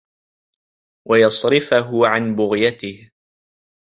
وَيَصْرِفَهُ عَنْ بُغْيَتِهِ